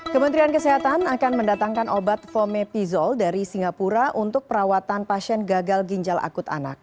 kementerian kesehatan akan mendatangkan obat fomepizol dari singapura untuk perawatan pasien gagal ginjal akut anak